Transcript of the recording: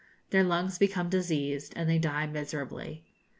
Their lungs become diseased, and they die miserably.